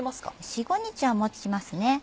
４５日は持ちますね。